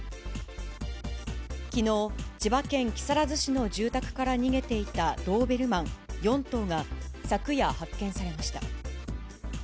きのう、千葉県木更津市の住宅から逃げていたドーベルマン４頭が、昨夜発見されました。